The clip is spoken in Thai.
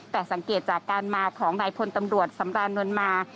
แต่สังเกตจากการมาของนายพลตำรวจสำรานนวลมา